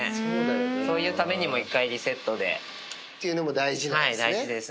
そういうためにも、１回リセっていうのも大事なんですね。